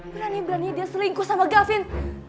berani berani dia selingkuh sama gavin